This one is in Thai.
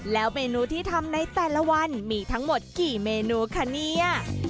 แล้วเมนูที่ทำในแต่ละวันมีทั้งหมดกี่เมนูคะเนี่ย